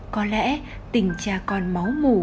có lẽ tình cha con máu mủ